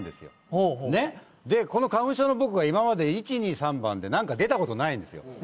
ねっほうほうでこの花粉症の僕が今まで１２３番で何か出たことないんですよ